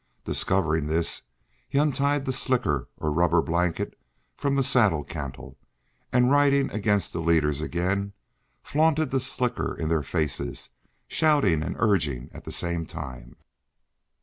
Discovering this, he untied the slicker or rubber blanket from the saddle cantle, and, riding against the leaders again, flaunted the slicker in their faces, shouting and urging at the same time.